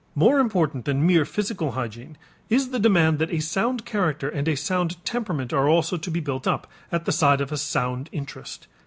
More important than mere physical hygiene is the demand that a sound character and a sound temperament are also to be built up, at the side of a sound interest.